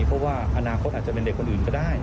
เพราะว่าอนาคตอาจจะเป็นเด็กคนอื่นก็ได้